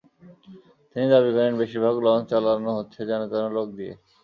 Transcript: তিনি দাবি করেন, বেশির ভাগ লঞ্চ চালানো হচ্ছে যেনতেন লোক দিয়ে।